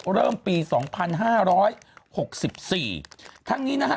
เริ่มปีสองพันห้าร้อยหกสิบสี่ทั้งนี้นะฮะ